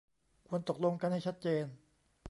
ควรตกลงกันให้ชัดเจน